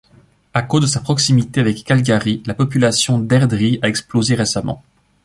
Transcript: À cause de sa proximité avec Calgary, la population d'Airdrie a explosé récemment.